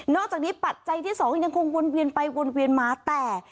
อกจากนี้ปัจจัยที่สองยังคงวนเวียนไปวนเวียนมาแต่